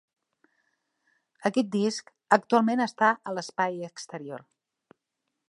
Aquest disc actualment està a l'espai exterior.